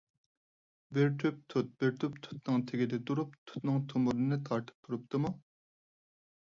بىر تۈپ تۇت، بىر تۈپ تۇتنىڭ تېگىدە تۇرۇپ، تۇتنىڭ تۇمۇرىنى تارتىپ تۇرۇپتىمۇ؟